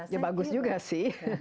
ya bagus juga sih